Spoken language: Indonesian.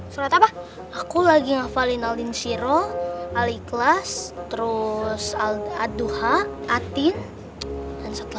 surat apa aku lagi ngapalin alinsiro alikhlas terus al adha atin dan setelah